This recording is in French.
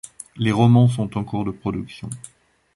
Les romans sont en cours de production.